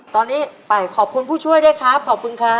ตอนนี้ไปขอบคุณผู้ช่วยด้วยครับขอบคุณครับ